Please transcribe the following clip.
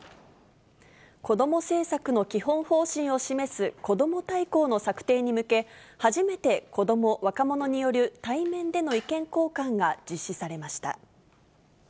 こども政策の基本方針を示す、こども大綱の策定に向け、初めて、こども・若者による対面での意見交換が実施されました。